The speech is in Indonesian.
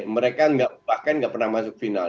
mereka bahkan nggak pernah masuk final